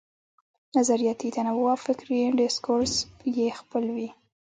نظریاتي تنوع او فکري ډسکورس یې خپل وي.